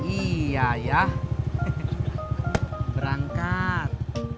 iya ya berangkat